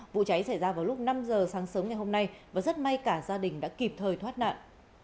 vụ cháy xảy ra vào lúc năm giờ sáng sớm ngày hôm nay và rất may cả gia đình đã kịp thời thoát nạn